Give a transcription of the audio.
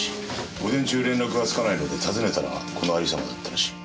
午前中連絡がつかないので訪ねたらこの有り様だったらしい。